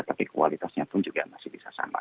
tapi kualitasnya pun juga masih bisa sama